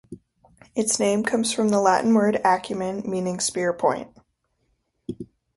Its name comes from the Latin word "acumen", meaning "spear point".